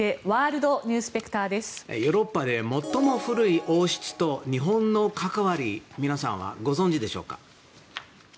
ヨーロッパで最も古い王室と日本の関わり皆さんはご存じでしょうか？